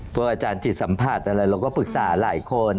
อาจารย์จิตสัมผัสอะไรเราก็ปรึกษาหลายคน